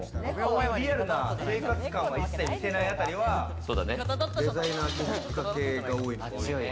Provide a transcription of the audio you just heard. リアルな生活感を一切見せないあたりは、デザイナーとか建築家系が多い。